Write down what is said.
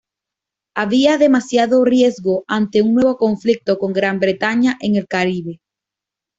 Había demasiado riesgo ante un nuevo conflicto con Gran Bretaña en el Caribe.